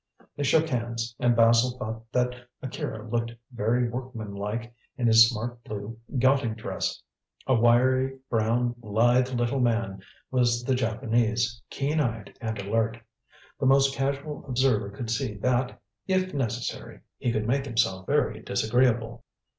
They shook hands, and Basil thought that Akira looked very workmanlike in his smart blue yachting dress. A wiry brown lithe little man was the Japanese, keen eyed and alert. The most casual observer could see that, if necessary, he could make himself very disagreeable.